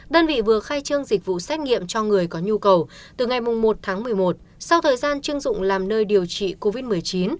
đơn vị vừa khai trương dịch vụ xét nghiệm cho người có nhu cầu từ ngày một tháng một mươi một sau thời gian chưng dụng làm nơi điều trị covid một mươi chín